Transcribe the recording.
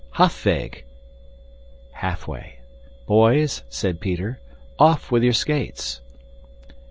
"Halfweg, *{Halfway.} boys," said Peter, "off with your skates."